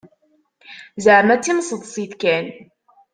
Zeεma d timseḍsit kan.